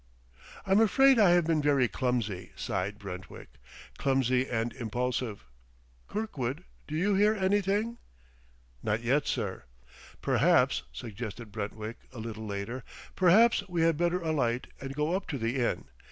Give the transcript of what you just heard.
"I'm afraid I have been very clumsy," sighed Brentwick, "clumsy and impulsive ... Kirkwood, do you hear anything?" "Not yet, sir." "Perhaps," suggested Brentwick a little later, "perhaps we had better alight and go up to the inn.